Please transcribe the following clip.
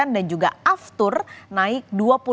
dan juga aftur naik dua puluh delapan tujuh puluh empat